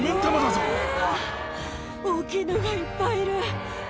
あぁ大きいのがいっぱいいる。